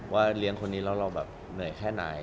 เลี้ยงคนนี้แล้วเราแบบเหนื่อยแค่ไหน